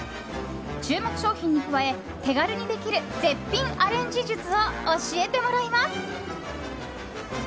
注目商品に加え手軽にできる絶品アレンジ術を教えてもらいます。